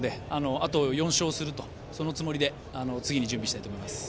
あと４勝する、そのつもりで次、準備したいと思います。